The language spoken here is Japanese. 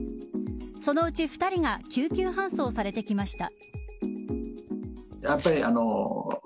そのうち２人が救急搬送されてきました。